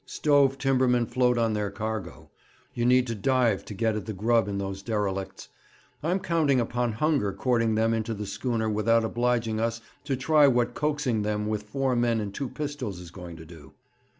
'Stove timbermen float on their cargo. You need to dive to get at the grub in those derelicts. I'm counting upon hunger courting them into the schooner without obliging us to try what coaxing them with four men and two pistols is going to do.'